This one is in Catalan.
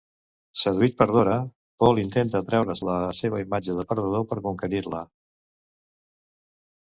Seduït per Dora, Paul intenta treure's la seva imatge de perdedor per conquerir-la.